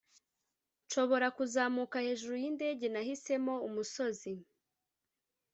nshobora kuzamuka hejuru yindege nahisemo umusozi